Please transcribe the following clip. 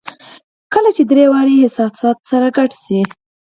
کله چې درې واړه احساسات سره ګډ شي